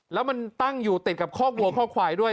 แล้วมันตั้งอยู่ติดกับคอกวัวข้อควายด้วย